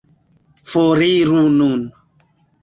Foriru nun.